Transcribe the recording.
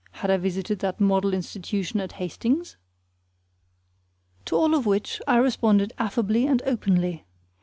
Had I visited that model institution at Hastings? To all of which I responded affably and openly.